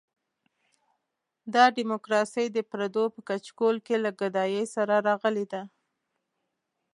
دا ډیموکراسي د پردو په کچکول کې له ګدایۍ سره راغلې ده.